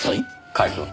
甲斐くん